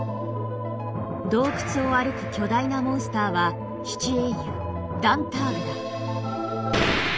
洞窟を歩く巨大なモンスターは七英雄ダンターグだ。